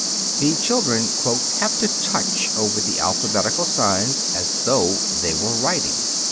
(Fig. 30.) The children "have to touch over the alphabetical signs as though they were writing."